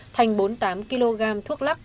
thành bốn mươi tám kg thuốc lắc